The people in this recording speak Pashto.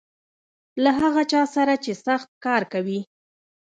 له هغه چا سره چې سخت کار کوي .